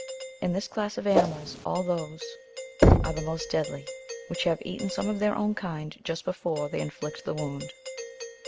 In this class of animals all those are the most deadly, which have eaten some of their own kind just before they inflict the wound.